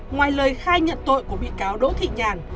ngoài lời khai nhận tội của bị cáo đỗ thị nhàn